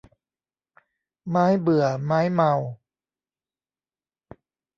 ไม้เบื่อไม้เมา